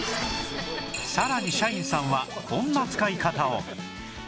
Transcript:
さらに社員さんはこんな使い方を